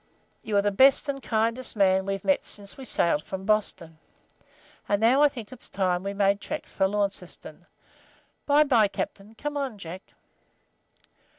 You are the best and kindest old man we've met since we sailed from Boston. And now I think it's time we made tracks for Launceston. By bye, Captain. Come along, Jack.'